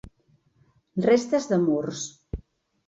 Restes de murs.